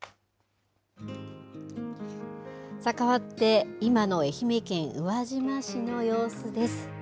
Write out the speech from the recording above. さあ、変わって今の愛媛県宇和島市の様子です。